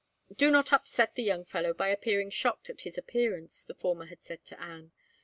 "Do not upset the young fellow by appearing shocked at his appearance," the former had said to Anne.